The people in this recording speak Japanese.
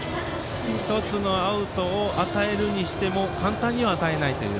１つのアウトを与えるにしても簡単には与えないという。